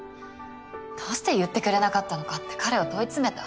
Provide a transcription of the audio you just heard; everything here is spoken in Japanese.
どうして言ってくれなかったのかって彼を問い詰めた。